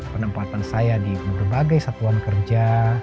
penempatan saya di berbagai satuan kerja